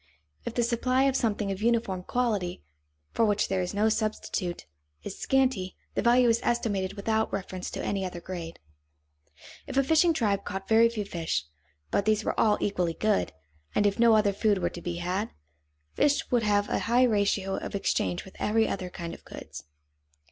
If the supply of something of uniform quality, for which there is no substitute, is scanty, the value is estimated without reference to any other grade. If a fishing tribe caught very few fish, but these were all equally good, and if no other food were to be had, fish would have a high ratio of exchange with every other kind of goods.